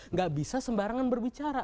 nggak bisa sembarangan berbicara